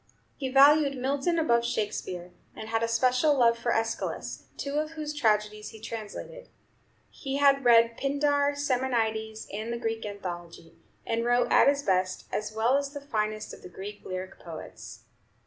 He valued Milton above Shakespeare, and had a special love for Æschylus, two of whose tragedies he translated. He had read Pindar, Simonides, and the Greek Anthology, and wrote, at his best, as well as the finest of the Greek lyric poets.